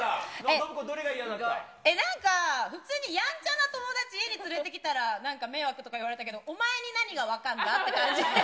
信子、どれがなんか、普通にやんちゃな友達家に連れてきたら、なんか迷惑とか言われたけど、お前に何が分かんだって感じで。